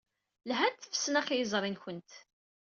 Lhant tfesnax i yiẓri-nwent.